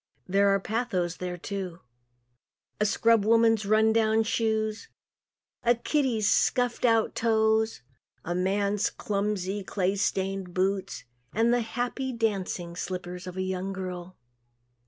There is pathos there, too. A scrub woman's run down shoes, a kiddie's scuffed out toes, a man's clumsy, clay stained boots and the happy dancing slippers of a young girl.